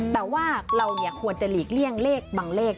แต่ว่าเราควรจะหลีกเลี่ยงเลขบางเลข